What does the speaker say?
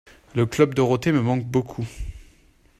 Le Club Dorothée me manque beaucoup.